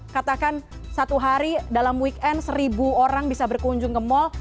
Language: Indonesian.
katakan satu hari dalam weekend seribu orang bisa berkunjung ke mal